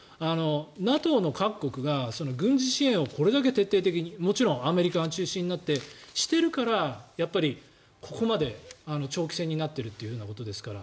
ＮＡＴＯの各国が軍事支援をこれだけ徹底的にもちろん、アメリカが中心となってしているからここまで長期戦になっているということですから。